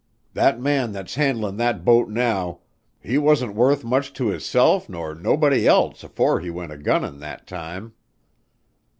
That man that's handlin' that boat now he wasn't worth much to hisself nor nobody else a'fore he went a gunnin', that time."